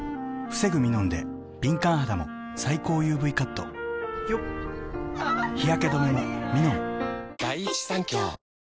防ぐミノンで敏感肌も最高ＵＶカット日焼け止めもミノン！